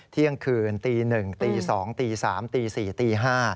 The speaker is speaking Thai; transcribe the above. เที่ยงคืนตีหนึ่งตีสองตีสามตีสี่ตีห้า